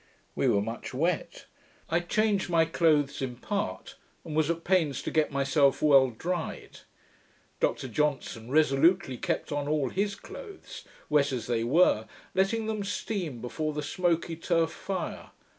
We were much wet. I changed my clothes in part, and was at pains to get myself well dried. Dr Johnson resolutely kept on all his clothes, wet as they were, letting them steam before the smoky turf fire.